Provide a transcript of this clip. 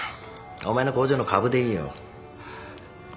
お前の工場の株でいいよ。